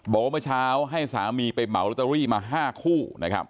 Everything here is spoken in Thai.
บอกว่าเมื่อเช้าให้สามีไปเหมาลอตเตอรี่มา๕คู่นะครับ